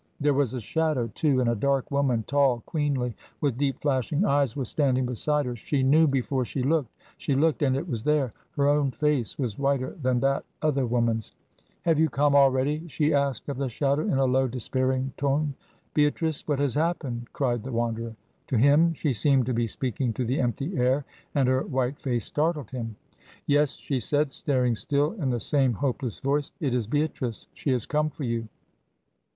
There was a shadow, too, and a dark woman, tall, queenly, with deep flashing eyes was standing beside her. She knew, before she looked; she looked, and it was there. Her own face was whiter than that other woman's. "Have you come already?" she asked of the shadow, in a low despairing tone. "Beatrice what has happened?" cried the Wanderer. To him, she seemed to be speaking to the empty air and her white face startled him. "Yes," she said, staring still, in the same hopeless voice. "It is Beatrice. She has come for you."